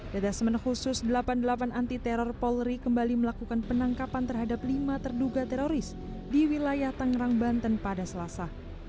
dedasmen khusus delapan puluh delapan anti teror polri kembali melakukan penangkapan terhadap lima terduga teroris di wilayah tangerang banten pada selasa